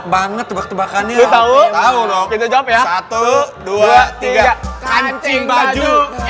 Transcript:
banget tebak tebakannya tahu tahu ya satu ratus dua puluh tiga kancing baju